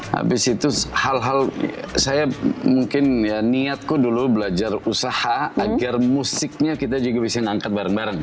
habis itu hal hal saya mungkin ya niatku dulu belajar usaha agar musiknya kita juga bisa ngangkat bareng bareng